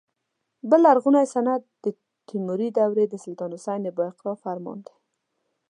بل لرغونی سند د تیموري دورې د سلطان حسن بایقرا فرمان دی.